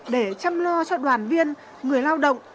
để chăm lo cho đoàn viên người lao động